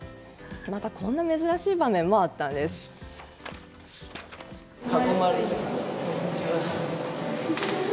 またこんな珍しい場面もありました。